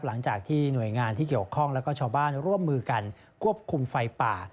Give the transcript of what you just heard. หลังจากที่หน่วยงานที่เกี่ยวข้องแล้วก็ชาวบ้านร่วมมือกันควบคุมไฟป่า